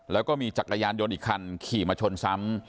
แล้วก็มีจักรยานยนต์อีกคันขี่มาชนซ้ำ